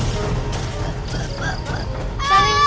suara babi apaan ini